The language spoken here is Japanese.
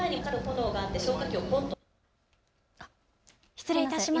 失礼いたしました。